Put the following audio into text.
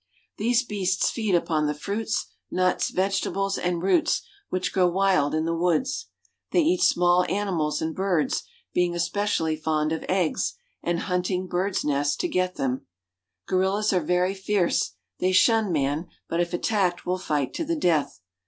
i ^^^ These beasts feed upon the fruits, nuts, vegetables, and ^^J ^^H roots which grow wild in the woods. They eat smalI«^^^H ^^H animals and birds, being especially fond of eggs, and ^^^|^^ hunting bird's nests to get them. ^^^ Gorillas are very fierce. They shun man, but if attacked will fight to the death.